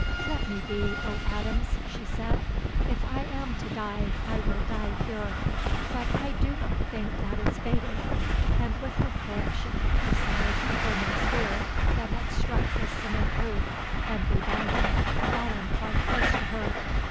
"Let me be, O Adams," she said. "If I am to die, I will die here. But I do not think that is fated," and with her foot she kicked aside a burning spear that had struck the cement roof, and, rebounding, fallen quite close to her.